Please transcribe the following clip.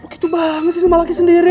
lo gitu banget sih sama laki sendiri